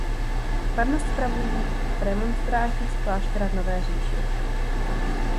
Farnost spravují premonstráti z kláštera v Nové Říši.